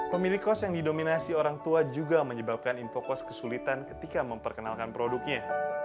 pemilik kos yang didominasi orang tua juga menyebabkan infocos kesulitan ketika memperkenalkan produknya